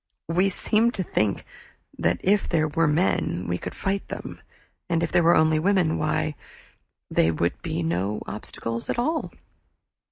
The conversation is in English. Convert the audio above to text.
We seemed to think that if there were men we could fight them, and if there were only women why, they would be no obstacles at all.